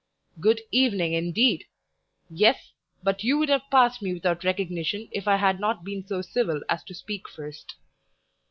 "Good evening, indeed! yes, but you would have passed me without recognition if I had not been so civil as to speak first."